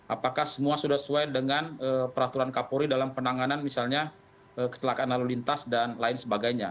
apakah semua sudah sesuai dengan peraturan kapolri dalam penanganan misalnya kecelakaan lalu lintas dan lain sebagainya